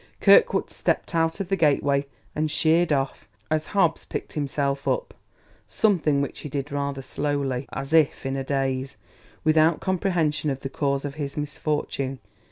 Kirkwood stepped out of the gateway and sheered off as Hobbs picked himself up; something which he did rather slowly, as if in a daze, without comprehension of the cause of his misfortune.